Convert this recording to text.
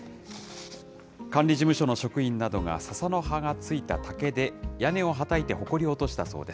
管理事務所の職員などがささの葉が付いた竹で屋根をはたいてほこりを落としたそうです。